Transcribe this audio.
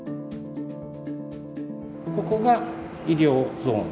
ここが医療ゾーン